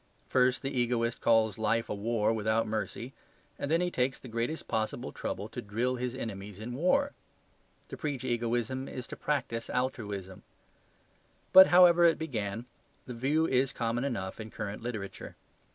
First, the egoist calls life a war without mercy, and then he takes the greatest possible trouble to drill his enemies in war. To preach egoism is to practise altruism. But however it began, the view is common enough in current literature.